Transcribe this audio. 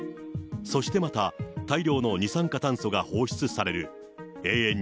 そしてまた大量の二酸化炭素が放出される。